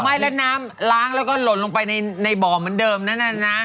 ไม่แล้วน้ำล้างแล้วก็หล่นลงไปในบ่อเหมือนเดิมนั่นน่ะนะ